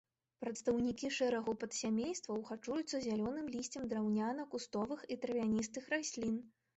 Прадстаўнікі шэрагу падсямействаў харчуюцца зялёным лісцем драўняна-кустовых і травяністых раслін.